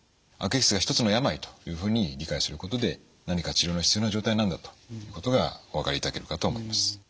悪液質がひとつの病というふうに理解することで何か治療の必要な状態なんだということがお分かりいただけるかと思います。